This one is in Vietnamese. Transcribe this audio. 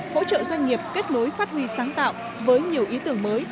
hỗ trợ doanh nghiệp kết nối phát huy sáng tạo với nhiều ý tưởng mới